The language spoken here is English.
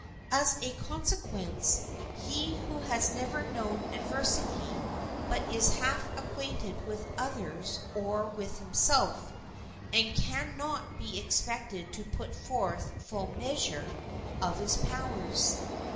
As a consequence, he who has never known adversity is but half acquainted with others or with himself, and can not be expected to put forth full measure of his powers.